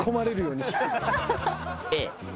Ａ。